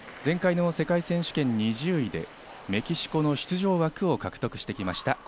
前回の世界選手権２０位で、メキシコの出場枠を獲得してきました、